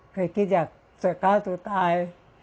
เคยคิดอยากจะกล้าตัวตาย